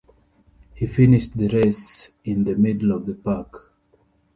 He finished the race in the middle of the pack.